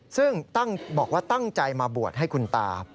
ซึ่งบอกว่าตั้งใจมาบวชให้คุณตา